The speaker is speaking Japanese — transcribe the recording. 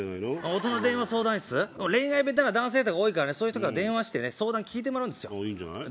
大人電話相談室恋愛下手な男性とか多いからそういう人が電話してね相談聞いてもらうんですよいいんじゃない？